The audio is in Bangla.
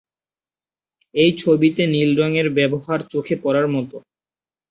এই ছবিতে নীল রঙের ব্যবহার চোখে পড়ার মতো।